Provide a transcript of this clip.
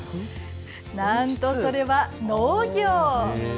なんと、それは農業。